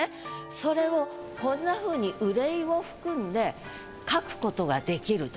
それをこんなふうに憂いを含んで書く事ができると。